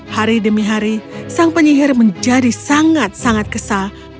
hari demi hari sang penyihir menjadi sangat sangat kesal